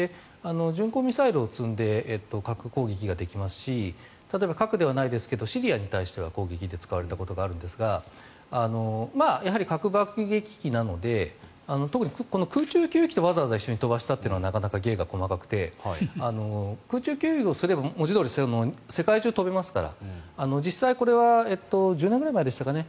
巡航ミサイルを積んで核攻撃ができますし例えば核ではないですがシリアに対しては攻撃で使われたことがあるんですがやはり核爆撃機なので特に、この空中給油機とわざわざ一緒に飛ばしたのは芸が細かくて空中給油をすれば文字どおり世界中を飛べますから実際、これは１０年ぐらい前でしたかね。